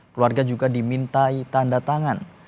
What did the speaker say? keluarga juga dimintai tanda tangan